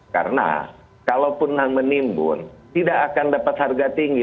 karena kalau pun menimbun tidak akan dapat harga tinggi